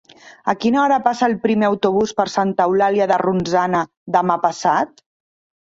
A quina hora passa el primer autobús per Santa Eulàlia de Ronçana demà passat?